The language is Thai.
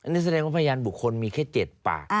นี่แสดงว่าพยานบุคคลมีแค่๗ปาก